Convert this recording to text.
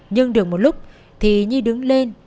nhưng được một lúc thì nhi đứng lên